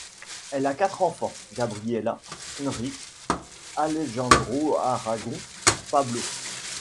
Elle a quatre enfants: Gabriela, Enrique, Alejandro Aragón, Pablo.